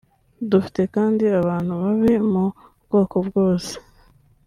dufite kandi abantu babi mu bwoko bwose